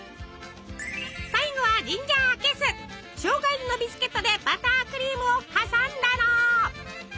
最後はしょうが入りのビスケットでバタークリームを挟んだの。